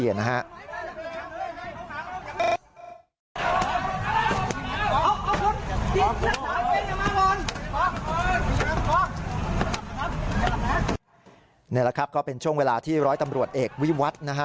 นี่แหละครับก็เป็นช่วงเวลาที่ร้อยตำรวจเอกวิวัฒน์นะฮะ